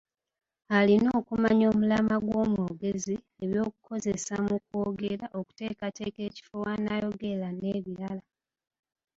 Alina okumanya omulamwa gw’omwogezi, eby’okukozesa mu kwogera, okuteekateeka ekifo w’onaayogerera n’ebirala.